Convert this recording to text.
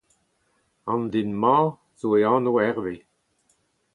An den-mañ zo e anv Herve.